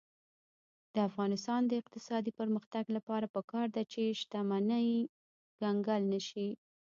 د افغانستان د اقتصادي پرمختګ لپاره پکار ده چې شتمني کنګل نشي.